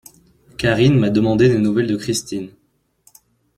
Karine m’a demandé des nouvelles de Christine.